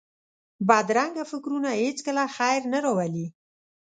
بدرنګه فکرونه هېڅکله خیر نه راولي